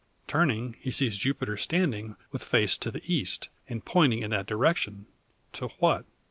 Turning, he sees Jupiter standing with face to the east, and pointing in that direction. To what?